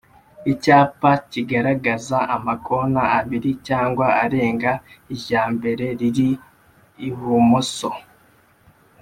icyapa kigaragaza amakona abiri cyangwa arenga irya mbere riri ibumoso